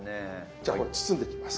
じゃあこれ包んでいきます。